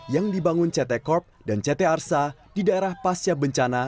yang dibangun ct corp dan ct arsa di daerah pasca bencana